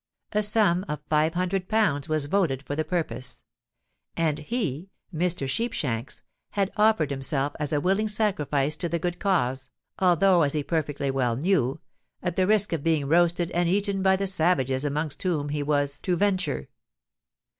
A sum of five hundred pounds was voted for the purpose; and he (Mr. Sheepshanks) had offered himself as a willing sacrifice to the good cause, although, as he perfectly well knew, at the risk of being roasted and eaten by the savages amongst whom he was to venture.